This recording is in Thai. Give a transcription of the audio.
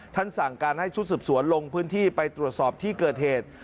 สั่งการให้ชุดสืบสวนลงพื้นที่ไปตรวจสอบที่เกิดเหตุ